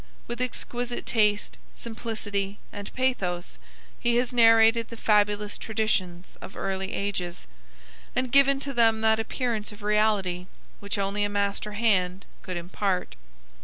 With exquisite taste, simplicity, and pathos he has narrated the fabulous traditions of early ages, and given to them that appearance of reality which only a master hand could impart.